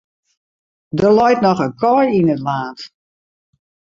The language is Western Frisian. Der leit noch in kaai yn it laad.